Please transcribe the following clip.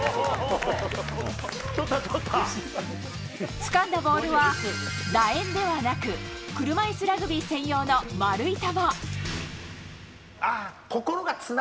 掴んだボールは楕円ではなく車いすラグビー専用の丸い球。